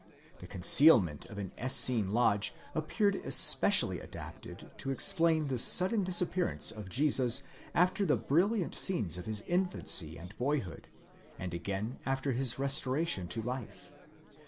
The concealment of an Essene lodge appeared especially adapted to explain the sudden disappearance of Jesus after the brilliant scenes of his infancy and boyhood, and again after his restoration to life.